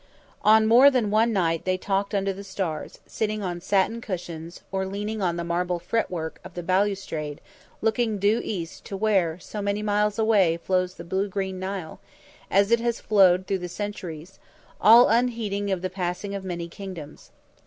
On more than one night they talked under the stars, sitting on satin cushions, or leaning on the marble fret work of the balustrade looking due east to where, so many miles away, flows the blue green Nile, as it has flowed through the centuries, all unheeding of the passing of mighty kingdoms.